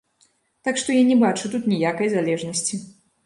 Так што я не бачу тут ніякай залежнасці.